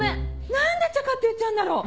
何でチャカって言っちゃうんだろう。